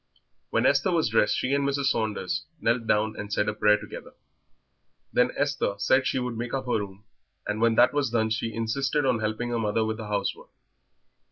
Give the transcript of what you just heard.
When Esther was dressed, she and Mrs. Saunders knelt down and said a prayer together. Then Esther said she would make up her room, and when that was done she insisted on helping her mother with the housework.